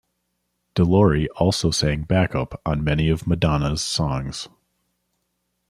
De Lory also sang backup on many of Madonna's songs.